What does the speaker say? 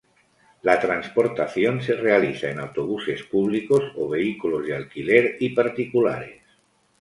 La transportación se realiza en autobuses públicos o vehículos de alquiler y particulares.